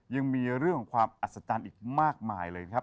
ยังมีเรื่องของความอัศจรรย์อีกมากมายเลยนะครับ